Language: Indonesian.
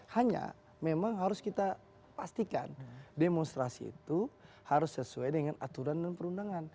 hanya memang harus kita pastikan demonstrasi itu harus sesuai dengan aturan dan perundangan